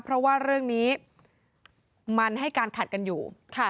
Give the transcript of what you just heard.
เพราะว่าเรื่องนี้มันให้การขัดกันอยู่